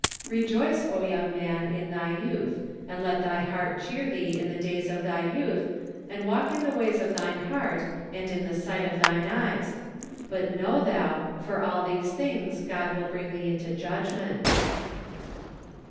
" Rejoice, O young man, in thy youth; and let thy heart cheer thee in the days of thy youth, and walk in the ways of thine heart, and in the sight of thine eyes: but know thou, for all these things God will bring thee into judgment."